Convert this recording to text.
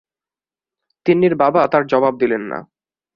তিন্নির বাবা তার জবাব দিলেন না।